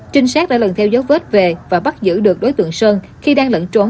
trinh sát đã lần theo dấu vết về và bắt giữ được đối tượng sơn khi đang lẫn trốn